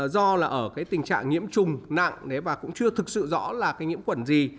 do là ở tình trạng nhiễm trùng nặng và cũng chưa thực sự rõ là nhiễm quẩn gì